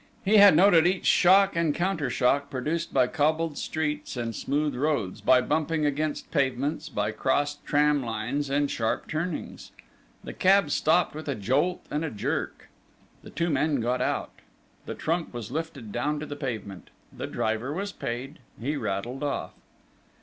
He had noted each shock and counter shock produced by cobbled streets and smooth roads, by bumping against pavements, by crossed tram lines and sharp turnings!... The cab stopped with a jolt and a jerk. The two men got out. The trunk was lifted down to the pavement. The driver was paid. He rattled off.